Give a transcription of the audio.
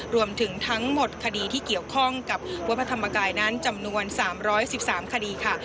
รวมถึงทั้งหมดคดีที่เกี่ยวข้องกับวัดพระธรรมกายนั้นจำนวน๓๑๓คดีค่ะ